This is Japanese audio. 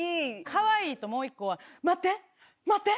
「かわいい」ともう１個は。